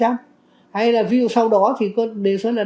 hay là ví dụ sau đó thì đề xuất là